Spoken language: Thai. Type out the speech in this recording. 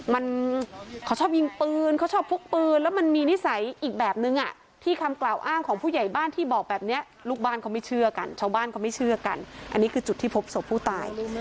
มันเขาชอบยิงปืนเขาชอบพกปืนแล้วมันมีนิสัยอีกแบบนึงอ่ะที่คำกล่าวอ้างของผู้ใหญ่บ้านที่บอกแบบนี้ลูกบ้านเขาไม่เชื่อกันชาวบ้านเขาไม่เชื่อกันอันนี้คือจุดที่พบศพผู้ตาย